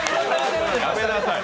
やめなさい。